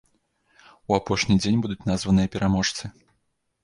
У апошні дзень будуць названыя пераможцы.